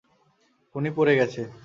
উনি পড়ে গেছে।